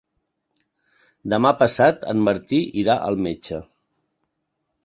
Demà passat en Martí irà al metge.